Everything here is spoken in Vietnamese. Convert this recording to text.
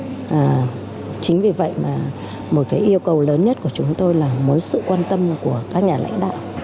chính vì vậy mà một cái yêu cầu lớn nhất của chúng tôi là muốn sự quan tâm của các nhà lãnh đạo